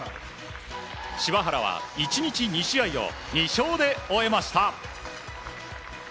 柴原は１日２試合を２勝で終えました。